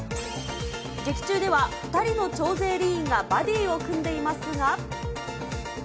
劇中では２人の徴税吏員がバディを組んでいますが。